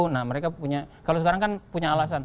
nah mereka punya kalau sekarang kan punya alasan